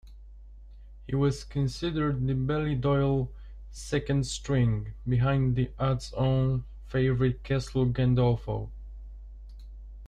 He was considered the Ballydoyle second string, behind the odds-on favourite Castle Gandolfo.